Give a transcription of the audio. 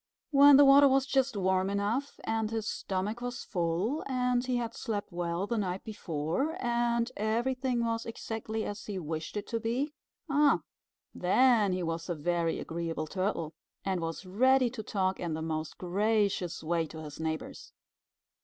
When the water was just warm enough, and his stomach was full, and he had slept well the night before, and everything was exactly as he wished it to be, ah, then he was a very agreeable Turtle, and was ready to talk in the most gracious way to his neighbors.